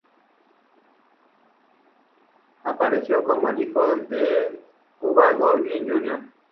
Apareció como el hijo de Cuba Gooding Jr.